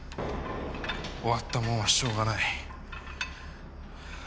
終わったもんはしょうがない。